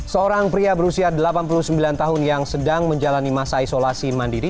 seorang pria berusia delapan puluh sembilan tahun yang sedang menjalani masa isolasi mandiri